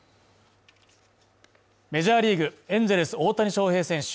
メジャーリーグ・エンゼルス大谷翔平選手